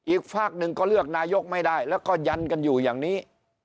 อีกฝากหนึ่งก็เลือกนายกไม่ได้แล้วก็ยันกันอยู่อย่างนี้